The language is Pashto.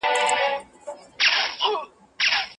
د تیونو سرطان لږ اغېزمن دی.